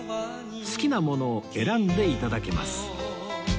好きなものを選んで頂けます